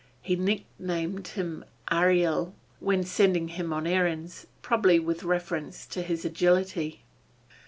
He nicknamed him Ariel, when sending him on errands, probably with reference to his agility.